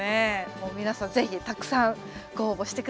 もう皆さん是非たくさんご応募して下さい。